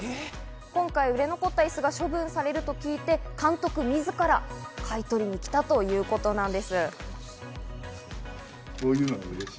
今回、売れ残ったイスが処分されると聞いて、監督自ら買い取りに来たということなんです。